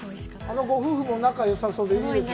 あのご夫婦も仲がよさそうでいいですね。